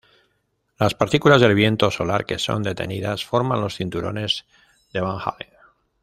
Las partículas del viento solar que son detenidas forman los cinturones de Van Allen.